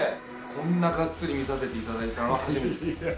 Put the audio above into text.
こんながっつり見させていただいたのは初めてです。